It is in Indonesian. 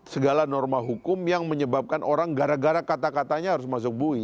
segala norma hukum yang menyebabkan orang gara gara kata katanya harus masuk bui